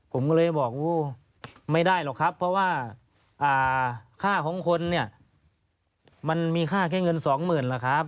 ผมก็เลยบอกโอ้ไม่ได้หรอกครับเพราะว่าค่าของคนเนี่ยมันมีค่าแค่เงินสองหมื่นล่ะครับ